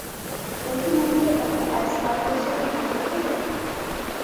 পথিমধ্যে একটা আইসবার্গের সাথে ধাক্কা খেল?